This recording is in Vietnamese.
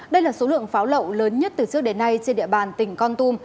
đây là số lượng pháo lậu lớn nhất từ trước đến nay trên địa bàn tỉnh con tum